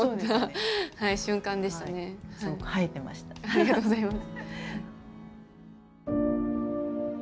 ありがとうございます。